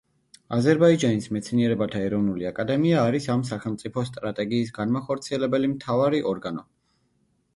აზერბაიჯანის მეცნიერებათა ეროვნული აკადემია არის ამ სახელმწიფო სტრატეგიის განმახორციელებელი მთავარი ორგანო.